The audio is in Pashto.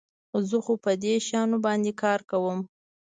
زه خو په دې شیانو باندي کار کوم.